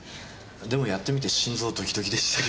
でもやってみて心臓ドキドキでしたけど。